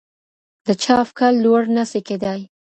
د چا افکار لوړ نه سي کیدای؟